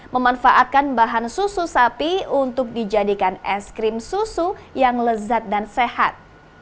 memanfaatkan bahan susu sapi untuk dijadikan es krim susu yang lezat dan sehat